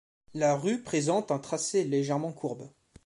La rue présente un tracé légèrement courbe.